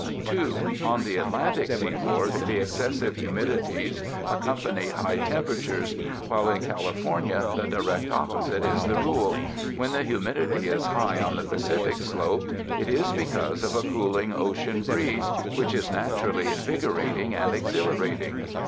2. On the Atlantic seaboard the excessive humidities accompany high temperatures, while in California the direct opposite is the rule. When the humidity is high on the Pacific slope it is because of a cool ocean breeze, which is naturally invigorating and exhila rating.